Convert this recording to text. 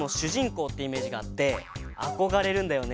こうっていうイメージがあってあこがれるんだよね。